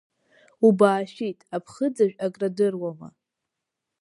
Убаашәит, аԥхыӡажә акрадыруама.